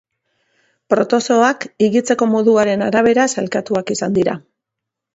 Protozooak higitzeko moduaren arabera sailkatuak izan dira.